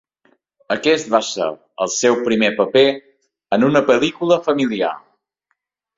Aquest va ser el seu primer paper en una pel·lícula familiar.